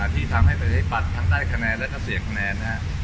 ที่ทำให้ปรับทั้งได้คะแนนและเสียคะแนนนะครับ